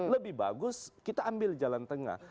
lebih bagus kita ambil jalan tengah